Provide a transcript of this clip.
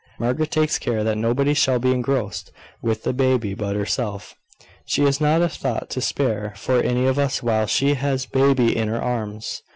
Margaret takes care that nobody shall be engrossed with the baby but herself. She has not a thought to spare for any of us while she has baby in her arms.